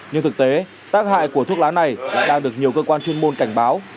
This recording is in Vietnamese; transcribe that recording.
nhưng thực tế tác hại của thuốc lá này đã được nhiều cơ quan chuyên môn cảnh báo